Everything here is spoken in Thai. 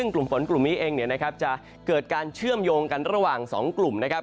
กลุ่มฝนกลุ่มนี้เองเนี่ยนะครับจะเกิดการเชื่อมโยงกันระหว่าง๒กลุ่มนะครับ